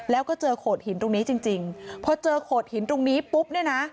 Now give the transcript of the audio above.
แล้วก็เจอโขดหินตรงนี้จริงจริงพอเจอโขดหินตรงนี้ปุ๊บเนี่ยนะ